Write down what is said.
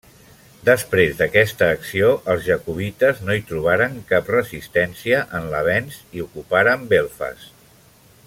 Després d'aquesta acció els Jacobites no hi trobaren cap resistència en l'avenç i ocuparen Belfast.